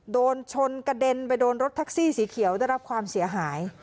โดนชนกระเด็นไปโดนรถแท็กซี่สีเขียวได้รับความเสียหาย